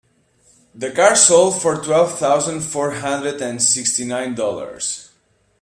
The car sold for twelve thousand four hundred and sixty nine Dollars.